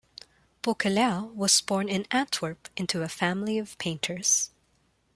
Beuckelaer was born in Antwerp into a family of painters.